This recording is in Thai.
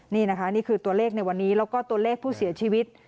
นี่นะคะนี่คือตัวเลขในวันนี้แล้วก็ตัวเลขผู้เสียชีวิต